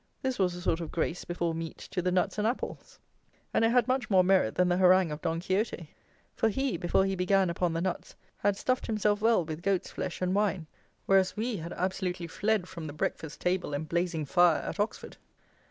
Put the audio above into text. '" This was a sort of grace before meat to the nuts and apples; and it had much more merit than the harangue of Don Quixote; for he, before he began upon the nuts, had stuffed himself well with goat's flesh and wine, whereas we had absolutely fled from the breakfast table and blazing fire at Oxford.